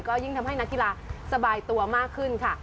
ก็ยิ่งทำให้นักกีฬาสบายตัวมากขึ้นค่ะ